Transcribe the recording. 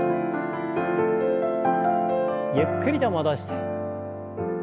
ゆっくりと戻して。